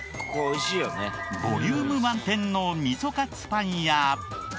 ボリューム満点のみそカツパンや。